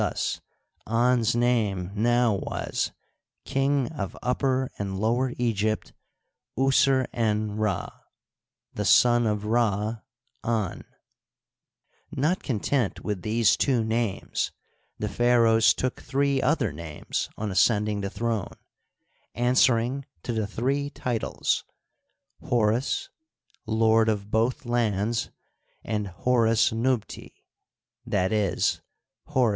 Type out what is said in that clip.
Thus An*s name now was King of Upper and Lower Egypt. User^en Rd, the son of Rd, An, Not content with these two names, the pharaohs took three other names on ascending the throne, answering to the three titles : Horus, Lord of Both Lands, and Horus Nubti—\, e., " Horus.